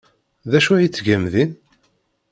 D acu ay tgam din?